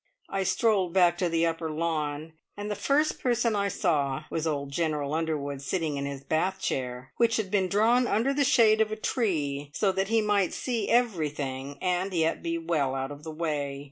I strolled back to the upper lawn, and the first person I saw was old General Underwood sitting in his bath chair, which had been drawn under the shade of a tree, so that he might see everything, and yet be well out of the way.